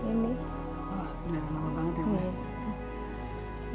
oh benar lama banget ya bu